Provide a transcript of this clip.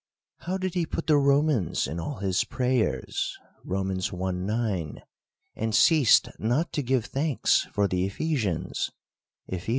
How did he put the Romans in all his prayers (Rom. i. 9) ; and ceased not to give thanks for the Ephesians (Eph. i.